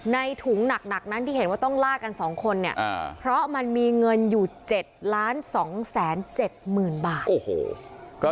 ถุงหนักนั้นที่เห็นว่าต้องล่ากัน๒คนเนี่ยเพราะมันมีเงินอยู่๗๒๗๐๐๐บาท